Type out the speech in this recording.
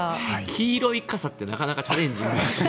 黄色い傘ってなかなかチャレンジング。